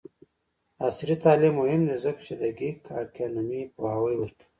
عصري تعلیم مهم دی ځکه چې د ګیګ اکونومي پوهاوی ورکوي.